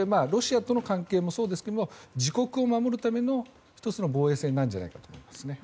ロシアとの関係もそうですが自国を守るための１つの防衛線なんじゃないかと思います。